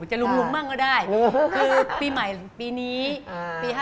จะลุมบ้างก็ได้คือปีใหม่ปีนี้ปี๕๗